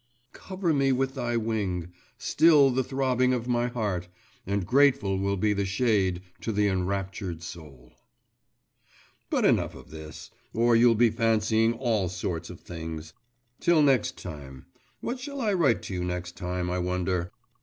… Cover me with thy wing, Still the throbbing of my heart, And grateful will be the shade To the enraptured soul.… But enough of this; or you'll be fancying all sorts of things. Till next time … What shall I write to you next time, I wonder?